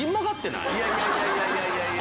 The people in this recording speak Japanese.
いやいやいやいや。